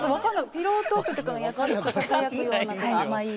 ピロートークとかの優しくささやくような甘い。